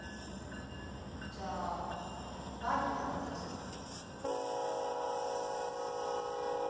じゃあバディだからですか？